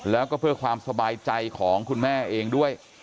แล้วก็เพื่อความสบายใจของคุณแม่เองด้วย